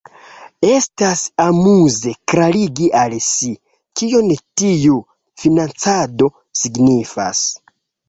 Estas amuze klarigi al si, kion tiu financado signifas.